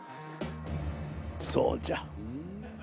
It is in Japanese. そうじゃ。